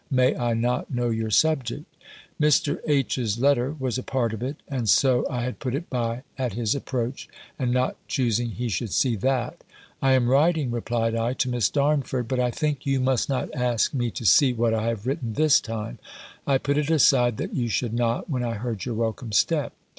May I not know your subject?" Mr. H.'s letter was a part of it; and so I had put it by, at his approach, and not choosing he should see that "I am writing," replied I, "to Miss Darnford: but I think you must not ask me to see what I have written this time. I put it aside that you should not, when I heard your welcome step.